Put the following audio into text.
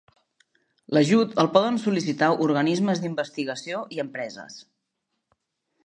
L'ajut el poden sol·licitar organismes d'investigació i empreses.